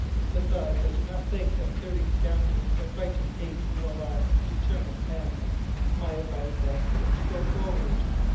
Besides, I do not think that thirty scoundrels can frighten eight well armed, determined men. My advice, then, is to go forward."